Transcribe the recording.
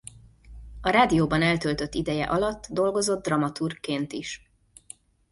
A rádióban eltöltött ideje alatt dolgozott dramaturgként is.